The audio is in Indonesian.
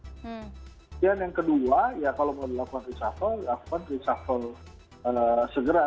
kemudian yang kedua ya kalau mau dilakukan reshuffle lakukan reshuffle segera